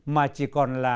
mà chỉ còn là